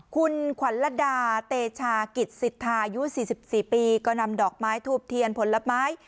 คุณขวัญละดาเตชากิจสิทธาอายุ๔๔ปีก็นำดอกไม้ทูบเทียนผลไม้